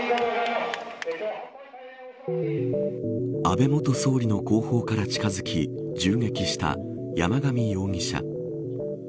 安倍元総理の後方から近づき銃撃した山上容疑者。